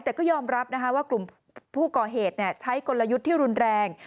แต่ก็ยอมรับนะคะว่ากลุ่มผู้ก่อเหตุใช้กลยุทธ์ที่รุนแรง